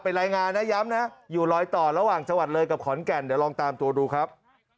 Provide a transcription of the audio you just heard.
เป็นรายงานนะย้ำนะอยู่รอยต่อระหว่างจังหวัดเลยกับขอนแก่นเดี๋ยวลองตามตัวดูครับ